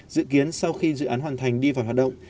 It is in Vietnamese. dự kiến sau khi dự án hoàn thành đi vào hoạt động